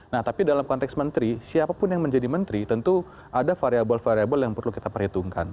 nah tapi dalam konteks menteri siapapun yang menjadi menteri tentu ada variable variable yang perlu kita perhitungkan